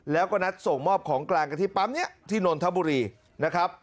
แล้วก็นัดส่งมอบของกลางกันที่ปั๊มนี้ที่นนทบุรีนะครับ